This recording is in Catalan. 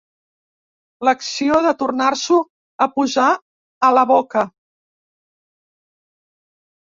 L'acció de tornar-s'ho a posar a la boca.